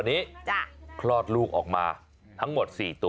เพื่อนเอาของมาฝากเหรอคะเพื่อนมาดูลูกหมาไงหาถึงบ้านเลยแหละครับ